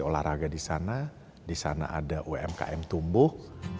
olahraga di sana di sana ada umkm tumbuh